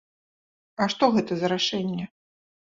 А што гэта за рашэнне?